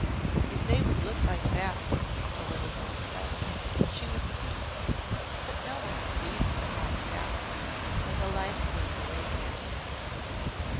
"If they would look like that," the little girl said, "she would see. But no one sees them like that when the Life goes away with me."